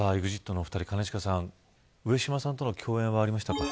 ＥＸＩＴの２人兼近さん、上島さんとの共演はありましたか。